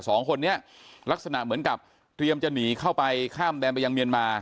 สองคนนี้ลักษณะเหมือนกับเตรียมจะหนีเข้าไปข้ามแดนไปยังเมียนมา